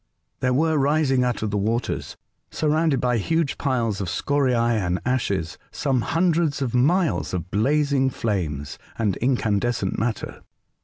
There were rising out of the waters, surrounded by huge piles of scorias and ashes, some hundreds of miles of blazing flames and incandescent matter.